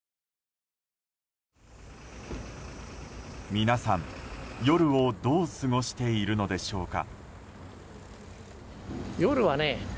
皆さん、夜をどう過ごしているのでしょうか。